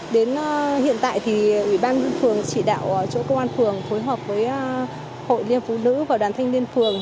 đến hiện tại thì ủy ban nhân phường chỉ đạo chỗ công an phường phối hợp với hội liên phụ nữ và đoàn thanh niên phường